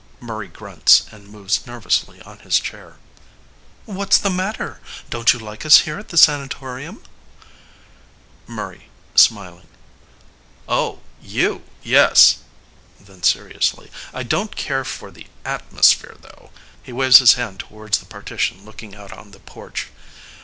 (Murray grunts and moves nervously on his chair.} What s the matter ? Don t you like us here at the Sanatorium ? MURRAY (smiling). Oh you yes! (Then seri ously.} I don t care for the atmosphere, though. (He waves his hand towards the partition looking out on the porch.